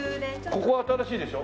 ここは新しいでしょ？